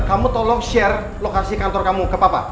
kamu tolong share lokasi kantor kamu ke papa